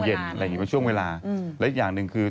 เป็นช่วงเวลาเหรอ